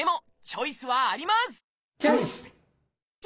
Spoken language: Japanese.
チョイス！